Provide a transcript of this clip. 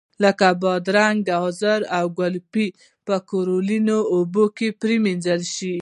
لکه بادرنګ، ګازرې او ګلپي باید په کلورین اوبو پرېمنځئ.